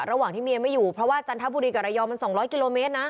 ระหว่างที่เมียไม่อยู่เพราะว่าจันทบุรีกับระยองมัน๒๐๐กิโลเมตรนะ